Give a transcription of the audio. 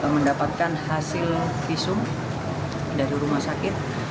mendapatkan hasil visum dari rumah sakit